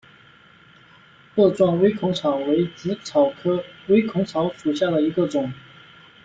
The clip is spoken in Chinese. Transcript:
萼状微孔草为紫草科微孔草属下的一个种。